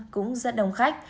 cũng rất đông khách